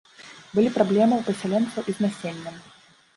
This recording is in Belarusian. Былі праблемы ў пасяленцаў і з насеннем.